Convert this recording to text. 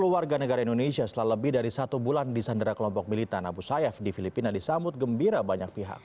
sepuluh warga negara indonesia setelah lebih dari satu bulan di sandra kelompok militan abu sayyaf di filipina disambut gembira banyak pihak